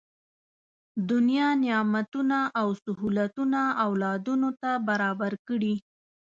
دنیا نعمتونه او سهولتونه اولادونو ته برابر کړي.